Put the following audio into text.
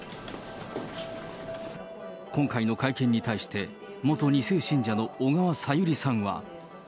今回の会見に対して、元２世信者の小川さゆりさんは。